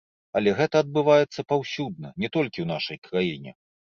Але гэта адбываецца паўсюдна, не толькі ў нашай краіне.